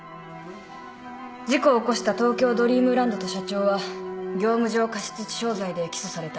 事故を起こした東京ドリームランドと社長は業務上過失致傷罪で起訴された。